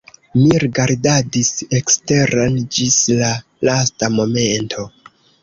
Mi rigardadis eksteren ĝis la lasta momento.